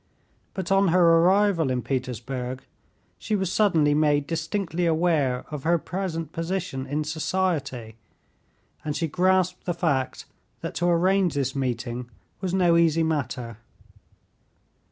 But on her arrival in Petersburg she was suddenly made distinctly aware of her present position in society, and she grasped the fact that to arrange this meeting was no easy matter.